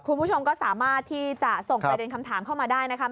คุณผู้ชมก็สามารถที่จะส่งประเด็นคำถามเข้ามาได้นะครับ